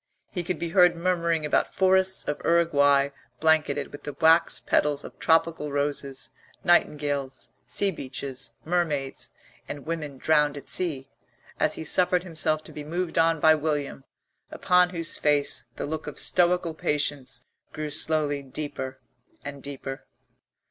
He could be heard murmuring about forests of Uruguay blanketed with the wax petals of tropical roses, nightingales, sea beaches, mermaids, and women drowned at sea, as he suffered himself to be moved on by William, upon whose face the look of stoical patience grew slowly deeper and deeper.